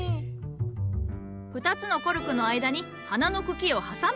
２つのコルクの間に花の茎を挟む。